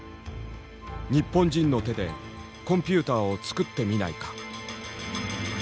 「日本人の手でコンピューターを作ってみないか」。